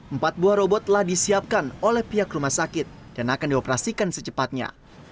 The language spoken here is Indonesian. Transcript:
empat buah robot telah disiapkan oleh pihak rumah sakit dan akan dioperasikan secepatnya